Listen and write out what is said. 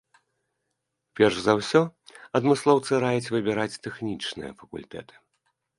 Перш за ўсё, адмыслоўцы раяць выбіраць тэхнічныя факультэты.